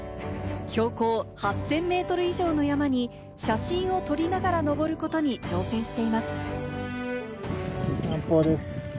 標高８０００ｍ以上の山に写真を撮りながら登ることに挑戦しています。